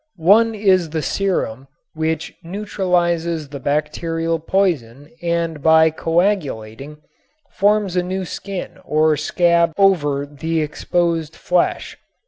One is the serum which neutralizes the bacterial poison and by coagulating forms a new skin or scab over the exposed flesh.